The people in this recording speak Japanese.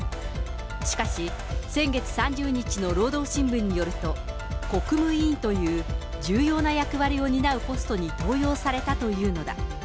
しかし、先月３０日の労働新聞によると、国務委員という重要な役割を担うポストに登用されたというのだ。